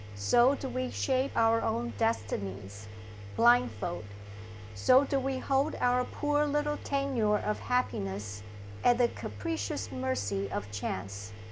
So do we shape our own destinies, blindfold. So do we hold our poor little tenure of happiness at the capricious mercy of Chance.